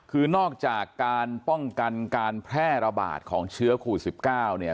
คือนอกจากการป้องกันการแพร่ระบาดของเชื้อโควิด๑๙เนี่ย